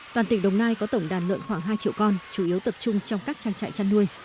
toàn tỉnh đồng nai có tổng đàn lợn khoảng hai triệu con chủ yếu tập trung trong các trang trại chăn nuôi